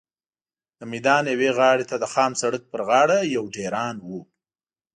د میدان یوې غاړې ته د خام سړک پر غاړه یو ډېران و.